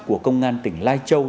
của công an tỉnh lai châu